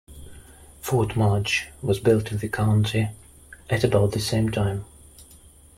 Fort Mudge was built in the county at about the same time.